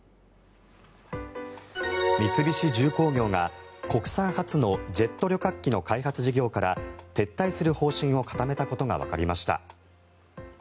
三菱重工業が国産初のジェット旅客機の開発事業から撤退する方針を固めたことがわかりました。